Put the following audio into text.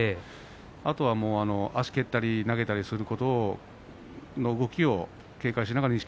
あとは足けったり投げたりすることをこの動きを警戒しながら錦